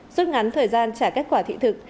suốt ngắn thời gian trả kết quả thị thực